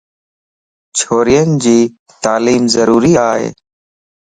ڇورين جي تعليم ضروري ائي.